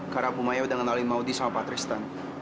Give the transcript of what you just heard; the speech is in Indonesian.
karena bu maya udah kenalin maudie sama patrista